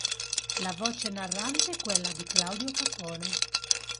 La voce narrante è quella di Claudio Capone.